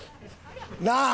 なあ！